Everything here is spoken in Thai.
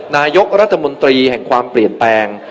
นายกรัฐมนตรีแห่งความเปลี่ยนแปลง